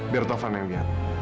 biar tovan yang lihat